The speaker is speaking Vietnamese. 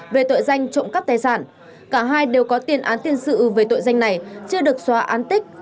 về tội danh trộm cắp tài sản cả hai đều có tiền án tiền sự về tội danh này chưa được xóa án tích